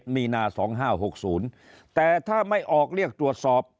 มีนา๒๕๖๐แต่ถ้าไม่ออกเรียกตรวจสอบ